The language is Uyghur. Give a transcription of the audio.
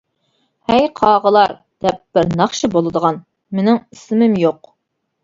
‹ ‹ھەي قاغىلار› › دەپ بىر ناخشا بولىدىغان. مېنىڭ ئىسمىم يوق.